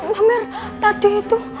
pamer tadi itu